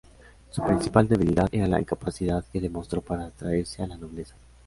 Su principal debilidad era la incapacidad que demostró para atraerse a la nobleza.